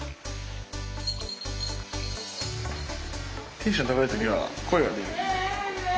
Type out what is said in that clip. テンション高い時は声が出る。